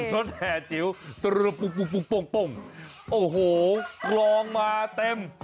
รถแห่จิ๋วโอ้โหกรองมาเต็ม